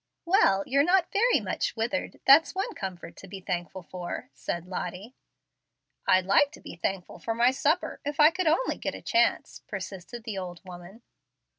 '" "Well, you're not very much withered, that's one comfort to be thankful for," said Lottie. "I'd like to be thankful for my supper, if I could only git a chance," persisted the old woman.